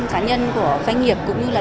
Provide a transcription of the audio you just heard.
cá nhân của doanh nghiệp cũng như là